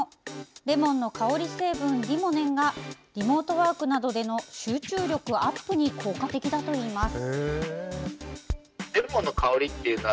レモンの香り成分、リモネンがリモートワークなどでの集中力アップに効果的だといいます。